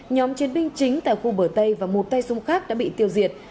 nhóm chiến binh chính tại khu bờ tây và một tay súng khác đã bị tiêu diệt